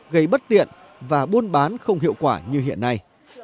gây bất tiện và buôn bán không hiệu quả như hiện nay